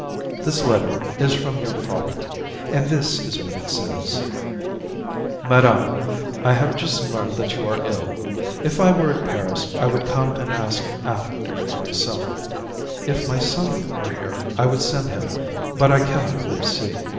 This letter is from your father, and this is what it says: "MADAME: I have just learned that you are ill. If I were at Paris I would come and ask after you myself; if my son were here I would send him; but I can not leave C.